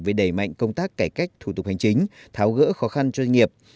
về đẩy mạnh công tác cải cách thủ tục hành chính tháo gỡ khó khăn cho doanh nghiệp